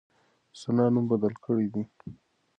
ثنا نوم بدل کړی دی.